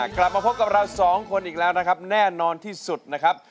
กลับมาพบกับเราสองคนอีกแล้วนะครับแน่นอนที่สุดนะครับ